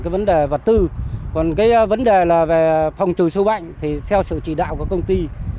vấn đề vật tư vấn đề phòng trừ sâu bệnh theo sự chỉ đạo của công ty